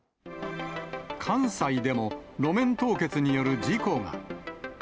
関西でも、路面凍結による事故が。